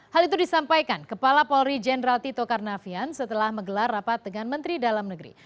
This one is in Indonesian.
hal itu disampaikan kepala polri jenderal tito karnavian setelah menggelar rapat dengan menteri dalam negeri